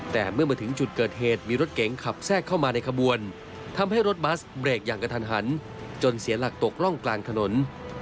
แต่เมื่อมาถึงจุดเกิดเหตุมีรถเก๋งขับแทรกเข้ามาในขบวนทำให้รถบัสเบรกอย่างกระทันหันจนเสียหลักตกร่องกลางถนน